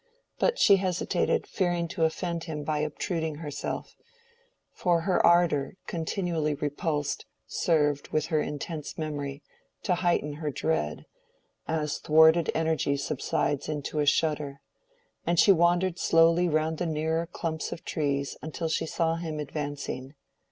But she hesitated, fearing to offend him by obtruding herself; for her ardor, continually repulsed, served, with her intense memory, to heighten her dread, as thwarted energy subsides into a shudder; and she wandered slowly round the nearer clumps of trees until she saw him advancing.